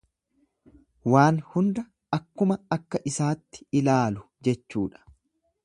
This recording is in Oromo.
Waan hunda akkuma akka isaatti ilaalu jechuudha.